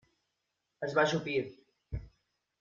Es va ajupir.